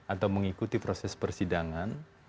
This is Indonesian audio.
atau mengikuti proses persidangan